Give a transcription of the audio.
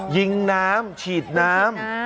ยิงน้ำฉีดน้ำ